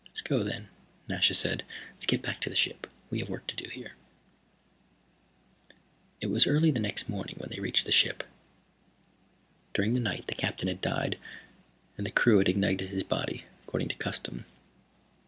"Let's go, then," Nasha said. "Let's get back to the ship. We have work to do here." It was early the next morning when they reached the ship. During the night the Captain had died, and the crew had ignited his body, according to custom.